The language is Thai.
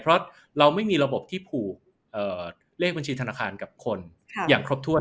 เพราะเราไม่มีระบบที่ผูกเลขบัญชีธนาคารกับคนอย่างครบถ้วน